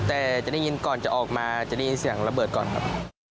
แต่จะได้ยินก่อนจะออกมาจะได้ยินเสียงระเบิดก่อนครับ